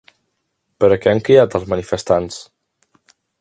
Per a què han cridat els manifestants?